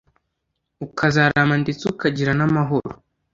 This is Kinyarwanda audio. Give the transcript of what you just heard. ukazarama ndetse ukagira n’amahoro